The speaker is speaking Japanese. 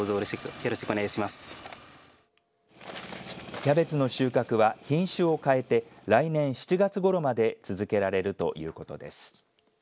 キャベツの収穫は品種を変えて来年７月ごろまで続けられるということです。